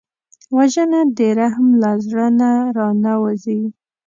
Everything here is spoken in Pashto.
وژنه د رحم له زړه نه را نهوزي